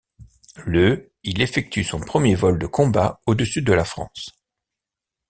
Le il effectue son premier vol de combat au-dessus de la France.